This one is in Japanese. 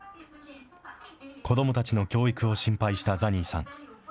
子どもたちの教育を心配したザニーさん。